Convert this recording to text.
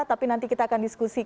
tapi nanti kita akan diskusi lagi